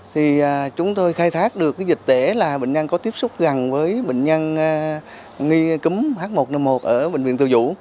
thì chúng tôi khai thác được dịch tễ là bệnh nhân có tiếp xúc gần với bệnh nhân nghi cúm h một n một ở bệnh viện tự dũ